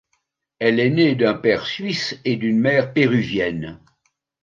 Elle est née d'un père suisse et d'une mère péruvienne.